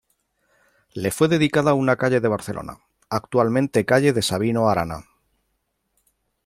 Le fue dedicada una calle de Barcelona, actualmente calle de Sabino Arana.